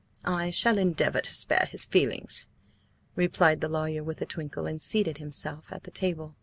"I shall endeavour to spare his feelings," replied the lawyer with a twinkle, and seated himself at the table.